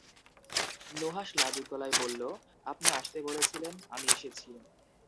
নুহাশ লাজুক গলায় বলল, আপনি আসতে বলেছিলেন, আমি এসেছি।